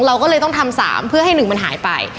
เราก็เลยต้องทำ๓เพื่อให้๑มันหายไป